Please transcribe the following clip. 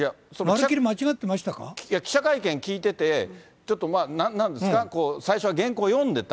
記者会見聞いてて、ちょっとまあ、なんですか、最初は原稿読んでた。